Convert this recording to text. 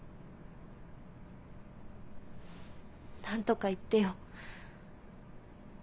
何とか言ってよ。